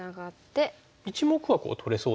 １目は取れそうですけども。